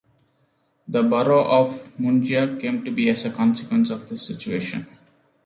The borough of Mungia came to be as a consequence of this situation.